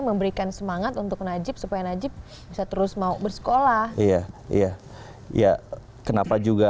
memberikan semangat untuk najib supaya najib bisa terus mau bersekolah iya ya kenapa juga